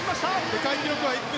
世界記録は１分